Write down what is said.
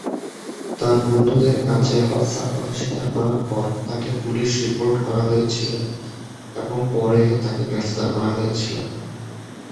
তার বন্ধুদের কাছে হত্যার কথা স্বীকার করার পর তাকে পুলিশে রিপোর্ট করা হয়েছিল এবং পরে তাকে গ্রেপ্তার করা হয়েছিল।